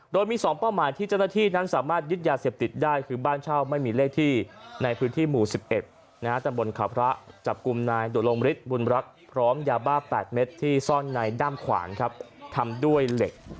โดยมี๒เป้าหมายที่เจ้าหน้าที่นั้นสามารถยึดยาเสพติดได้คือบ้านเช่าไม่มีเลขที่ในพื้นที่หมู่๑๑ตำบลขาวพระจับกลุ่มนายโดลงฤทธิบุญรักษ์พร้อมยาบ้า๘เม็ดที่ซ่อนในด้ามขวางครับทำด้วยเหล็ก